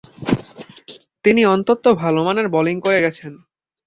তিনি অত্যন্ত ভালোমানের বোলিং করে গেছেন।